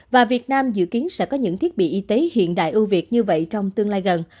và việt nam dự kiến sẽ có những thiết bị y tế hiện đại ưu việt như vậy trong tương lai gần